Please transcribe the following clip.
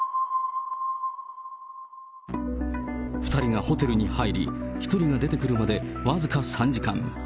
２人がホテルに入り、１人が出てくるまで僅か３時間。